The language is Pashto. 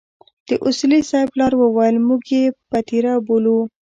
د اصولي صیب پلار وويل موږ يې پتيره بولو.